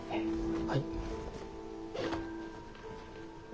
はい。